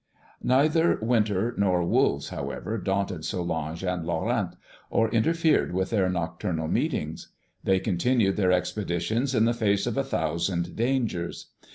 "Neither winter nor wolves, however, daunted Solange and Laurent, or interfered with their nocturnal meetings. They continued their expeditions in the face of a thousand dangers.